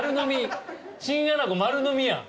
チンアナゴ丸のみやん。